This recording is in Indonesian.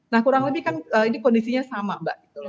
nah kurang lebih kan ini kondisinya sama mbak